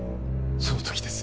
その時です